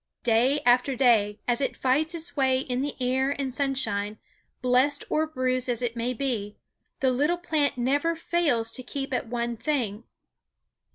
Day after day, as it fights its way in the air and sunshine, blest or bruised as it may be, the little plant never fails to keep at one thing.